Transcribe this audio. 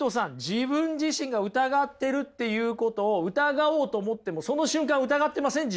自分自身が疑ってるっていうことを疑おうと思ってもその瞬間疑ってません？